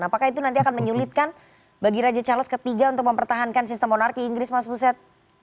apakah itu nanti akan menyulitkan bagi raja charles iii untuk mempertahankan sistem monarki inggris mas buset